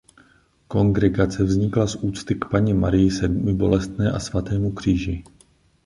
Kongregace vznikla z úcty k Panně Marii Sedmibolestné a Svatému Kříži.